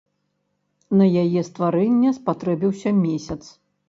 На яе стварэнне спатрэбіўся месяц.